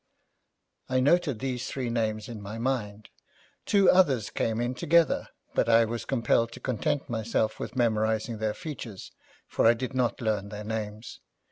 I noted these three names in my mind. Two others came in together, but I was compelled to content myself with memorising their features, for I did not learn their names.